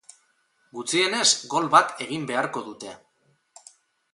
Gutxienez gol bat egin beharko dute.